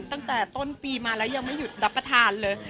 ตั้งแต่ต้นปีมาแล้วยังไม่หยุดรับประทานเลย